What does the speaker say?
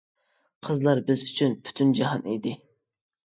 قىزلار بىز ئۈچۈن پۈتۈن جاھان ئىدى.